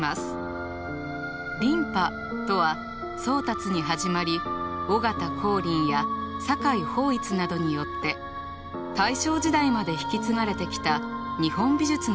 琳派とは宗達に始まり尾形光琳や酒井抱一などによって大正時代まで引き継がれてきた日本美術の流派。